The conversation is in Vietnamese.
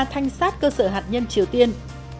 thanh sát cơ sở hạt nhân triều tiên